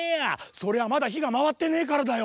「そりゃまだひがまわってねえからだよ。